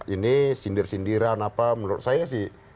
ini sindir sindiran apa menurut saya sih